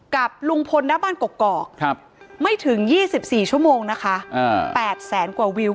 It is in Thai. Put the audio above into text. กับลุงพลณบ้านกกอกไม่ถึง๒๔ชั่วโมงนะคะ๘แสนกว่าวิว